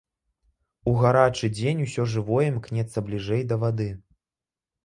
У гарачы дзень ўсё жывое імкнецца бліжэй да вады.